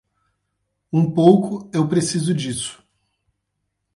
Um pouco eu preciso disso.